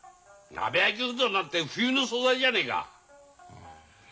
鍋焼きうどんなんて冬の素材じゃねえか。